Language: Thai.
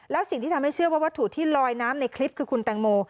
แล้วสิ่งที่ทำให้เชื่อว่าวัตถุที่ลอยน้ำในคลิปคือคุณแตงโม